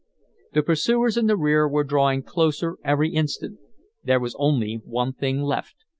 The pursuers in the rear were drawing closer every instant. There was only one thing left.